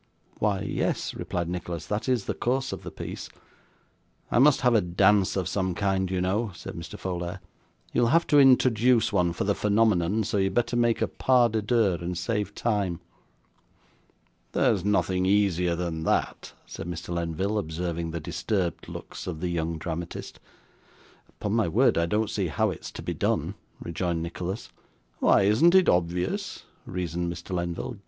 'Why yes,' replied Nicholas: 'that is the course of the piece.' 'I must have a dance of some kind, you know,' said Mr. Folair. 'You'll have to introduce one for the phenomenon, so you'd better make a PAS DE DEUX, and save time.' 'There's nothing easier than that,' said Mr. Lenville, observing the disturbed looks of the young dramatist. 'Upon my word I don't see how it's to be done,' rejoined Nicholas. 'Why, isn't it obvious?' reasoned Mr. Lenville.